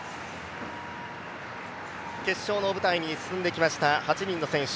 決勝の舞台に進んできました８人の選手。